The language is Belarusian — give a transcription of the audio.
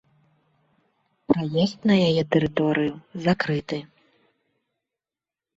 Праезд на яе тэрыторыю закрыты.